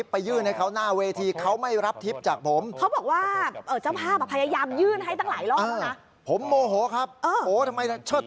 ไม่รู้แหละเธอทำไมไม่รับทิพย์